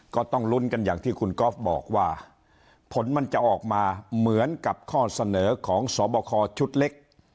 ก็ต้องลุ้นกันอย่างที่คุณก๊อฟบอกว่าผลมันจะออกมาเหมือนกับข้อเสนอของสอบคอชุดเล็ก